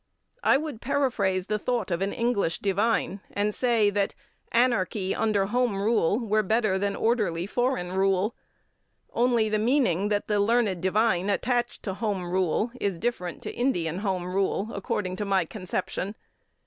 I would paraphrase the thought of an English divine and say that anarchy under home rule were better than orderly foreign rule. Only, the meaning that the learned divine attached to home rule is different to Indian Home Rule according to my conception.